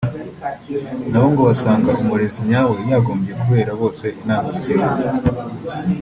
na bo ngo basanga umurezi nyawe yagombye kubera bose intangarugero